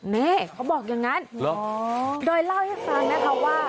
นี่เขาบอกอย่างนั้นโดยเล่าให้ฟังนะคะว่า